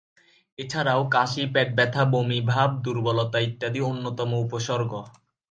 এছাড়াও, কাশি, পেট ব্যথা, বমি ভাব, দূর্বলতা ইত্যাদি অন্যতম উপসর্গ।